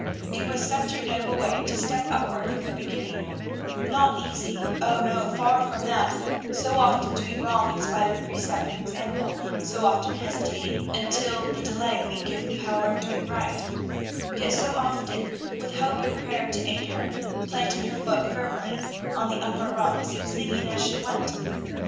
It was such a noble way to step upward from the beginning; not easy, oh, no, far from that, so often doing wrong in spite of precept and example, so often hesitating, until the delay weakened the power of doing right; yet so often, with hope and prayer to aid her, planting her foot firmly on the upper rung, singing as she went.